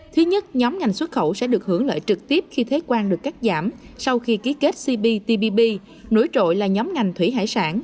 thứ nhất nhóm ngành xuất khẩu sẽ được hưởng lợi trực tiếp khi thế quan được cắt giảm sau khi ký kết cptpp nối trội là nhóm ngành thủy hải sản